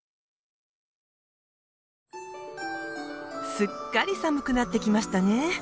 すっかり寒くなってきましたね。